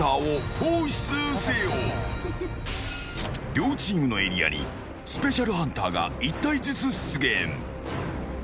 両チームのエリアにスペシャルハンターが１体ずつ出現。